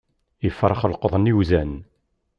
Ifrax leqḍen iwzan.